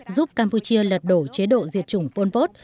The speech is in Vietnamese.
giúp campuchia lật đổ chế độ diệt chủng pol pot